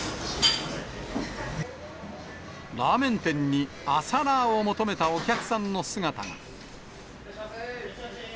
ラーメン店に朝ラーを求めたお客さんの姿が。